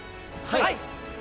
はい！